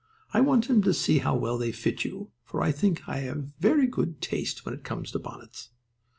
I want him to see how well they fit you, for I think I have very good taste when it comes to bonnets."